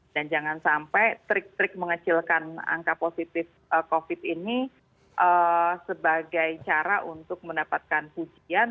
jangan sampai trik trik mengecilkan angka positif covid ini sebagai cara untuk mendapatkan pujian